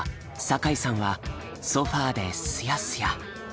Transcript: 酒井さんはソファーでスヤスヤ。